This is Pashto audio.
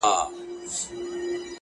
په جرگه كي سوه خندا د موږكانو.!